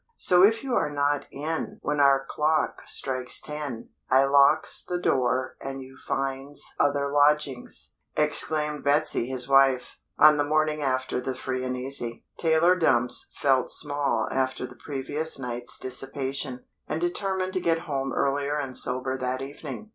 So if you are not in when our clock strikes ten, I locks the door and you finds other lodgings," exclaimed Betsy his wife, on the morning after the Free and Easy. Tailor Dumps felt small after the previous night's dissipation, and determined to get home earlier and sober that evening.